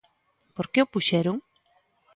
Por que o puxeron?